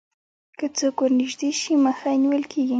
که څوک ورنژدې شي مخه یې نیول کېږي